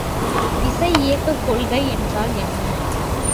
விசை இயக்கக் கொள்கை என்றால் என்ன?